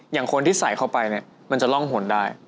อย่างคนที่ใส่เข้าไปเนี่ยมันจะร่องหนได้